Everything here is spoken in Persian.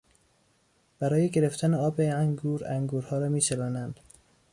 برای گرفتن آب انگور، انگورها را میچلانند.